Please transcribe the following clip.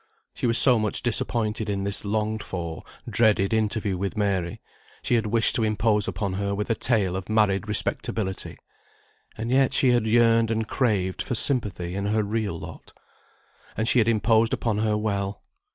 She was so much disappointed in this longed for, dreaded interview with Mary; she had wished to impose upon her with her tale of married respectability, and yet she had yearned and craved for sympathy in her real lot. And she had imposed upon her well.